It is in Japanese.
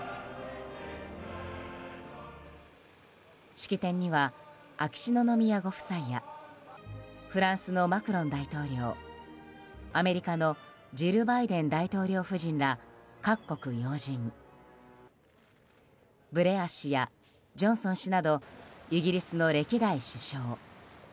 式典には、秋篠宮ご夫妻やフランスのマクロン大統領アメリカのジル・バイデン大統領夫人ら各国要人ブレア氏やジョンソン氏などイギリスの歴代首相。